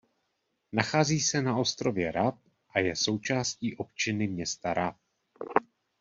Nachází se na ostrově Rab a je součástí opčiny města Rab.